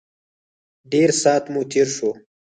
ډېر سات مو تېر شو.